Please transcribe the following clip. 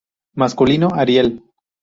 Masculino: Ariel.